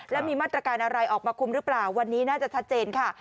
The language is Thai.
แล้วมีมาตรการอะไรออกมาคุมหรือเปล่าวันนี้น่าจะชัดเจนค่ะ